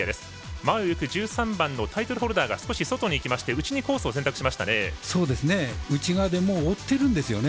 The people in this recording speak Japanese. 前をいく１３番のタイトルホルダーが少し外にいきまして内にコースを選択しましたね。